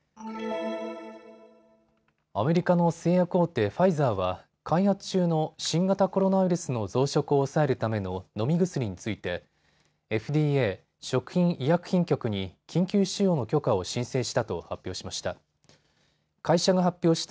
アメリカの製薬大手ファイザーは開発中の新型コロナウイルスの増殖を抑えるための飲み薬についてＦＤＡ・食品医薬品局に緊急使用の許可を申請したと発表しました。